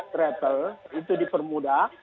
travel itu dipermudah